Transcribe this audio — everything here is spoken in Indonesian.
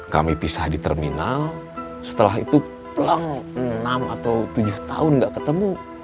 kami pisah di terminal setelah itu plang enam atau tujuh tahun nggak ketemu